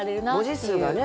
文字数がね